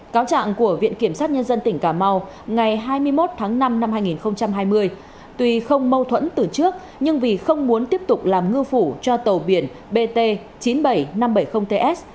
cáo trạng của viện kiểm sát nhân dân tỉnh cà mau ngày hai mươi một tháng năm năm hai nghìn hai mươi tuy không mâu thuẫn từ trước nhưng vì không muốn tiếp tục làm ngư phủ cho tàu biển bt chín mươi bảy nghìn năm trăm bảy mươi ts